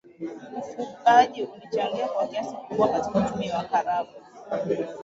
Ufugaji ulichangia kwa kiasi kikubwa katika Uchumi wa Karagwe